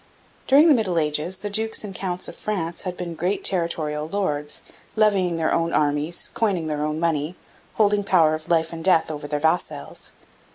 During the Middle Ages the dukes and counts of France had been great territorial lords levying their own armies, coining their own money, holding power of life and death over their vassals.